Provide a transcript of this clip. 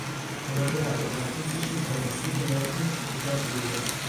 Ha collaborato con fisici come Stephen Hawking e John Wheeler.